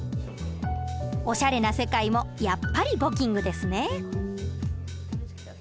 おしゃれな世界もやっぱり簿記ｉｎｇですね。